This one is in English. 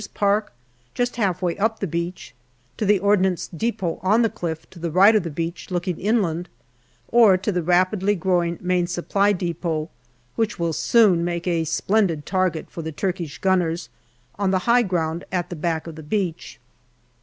park, just half way up the beach, to the Ordnance depot on the cliff to the right of the beach looking inland, or to the rapidly growing Main Supply depot, which will soon make a splendid target MAY 109 for the Turkish gunners, on the high ground at the back of the beach.